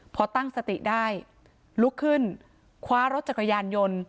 พอตั้งสติได้ลุกขึ้นคว้ารถจักรยานยนต์